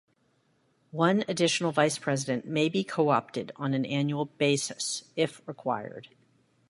One additional Vice-President may be co-opted on an annual basis if required.